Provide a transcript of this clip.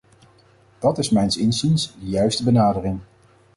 Dat is mijns inziens de juiste benadering.